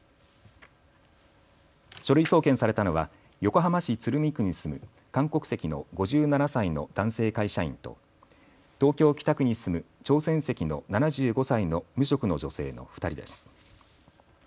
書類送検されたのは横浜市鶴見区に住む韓国籍の５７歳の男性会社員と東京北区に住む朝鮮籍の７５歳の無職の女性の２人です。